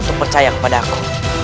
untuk percaya kepada aku